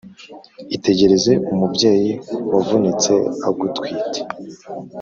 Itegereze umubyeyi Wavunitse agutwite